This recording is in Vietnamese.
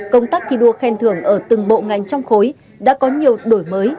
công tác thi đua khen thưởng ở từng bộ ngành trong khối đã có nhiều đổi mới